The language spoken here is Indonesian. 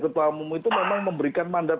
ketua umum itu memang memberikan mandat